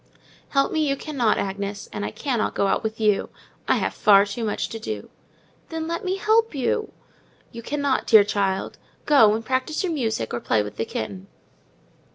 "Help me you cannot, Agnes; and I cannot go out with you—I have far too much to do." "Then let me help you." "You cannot, indeed, dear child. Go and practise your music, or play with the kitten."